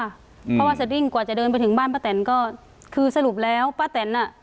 เพราะว่าสดิ้งกว่าจะเดินไปถึงบ้านป้าแตนก็คือสรุปแล้วป้าแตนอ่ะ